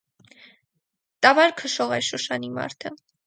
Տավար քշող էր Շուշանի մարդը: